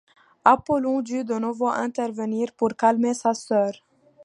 Apollon dut de nouveau intervenir, pour calmer sa sœur.